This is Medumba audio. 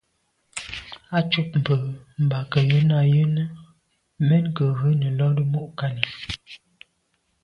Á cúp mbə̄ mbā gə̀ yɑ́nə́ à' yɑ́nə́ mɛ̀n gə̀ rə̌ nə̀ lódə́ mû' kání.